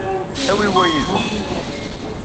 Awi wa yid-m.